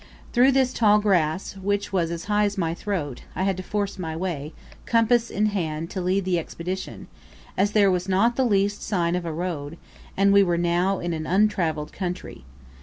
Through this tall grass, which was as high as my throat, I had to force my way, compass in hand, to lead the Expedition, as there was not the least sign of a road, and we were now in an untravelled country.